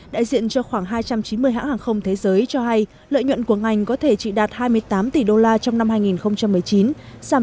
đại diện cho khoảng hai trăm chín mươi hãng hàng không thế giới cho hay lợi nhuận của ngành có thể chỉ đạt hai mươi tám tỷ đô la trong năm hai nghìn một mươi chín